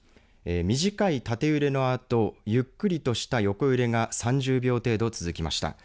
短い縦揺れのあと、ゆっくりとした横揺れが３０秒程度、続きました。